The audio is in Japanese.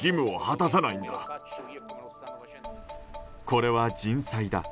これは人災だ。